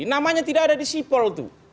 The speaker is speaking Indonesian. namanya tidak ada di sipol tuh